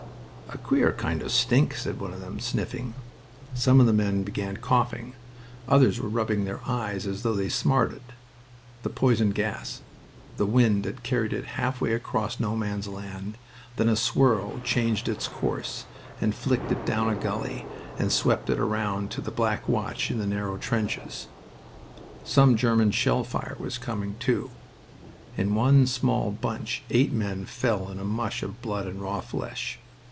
"A queer kind o' stink!" said one of them, sniffing. Some of the men began coughing. Others were rubbing their eyes, as though they smarted. The poison gas... The wind had carried it half way across No Man's Land, then a swirl changed its course, and flicked it down a gully, and swept it right round to the Black Watch in the narrow trenches. Some German shell fire was coming, too. In one small bunch eight men fell in a mush of blood and raw flesh.